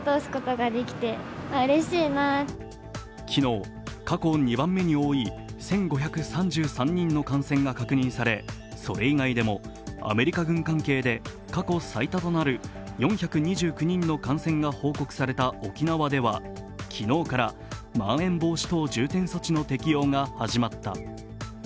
昨日、過去２番目に多い１５３３人の感染が確認され、それ以外でもアメリカ軍関係で過去最多となる４２９人の感染が報告された沖縄では昨日からまん延防止等重点措置の適用が始まった。